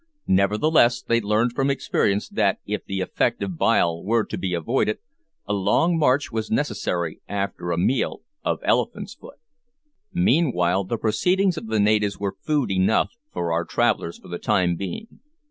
Nevertheless, they learned from experience that if the effect of bile were to be avoided, a long march was necessary after a meal of elephant's foot! Meanwhile the proceedings of the natives were food enough for our travellers for the time being.